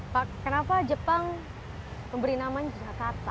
jepang yang diberikan nama jakarta pada kota batavia